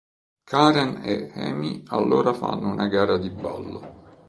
Karen e Amy allora fanno una gara di ballo.